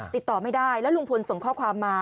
ติดต่อไม่ได้แล้วลุงพลส่งข้อความมา